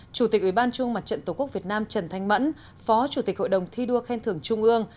chủ tịch ủy ban trung mặt trận tổ quốc việt nam trần thanh mẫn phó chủ tịch hội đồng thi đua khen thưởng trung ương